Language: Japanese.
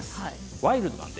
ワイルドなので。